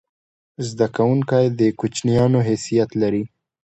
زده کوونکی د کوچنیانو حیثیت لري.